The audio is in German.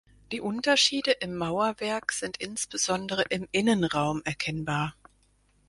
Die Unterschiede im Mauerwerk sind insbesondere im Innenraum erkennbar.